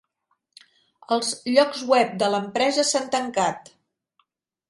Els llocs web de l'empresa s'han tancat.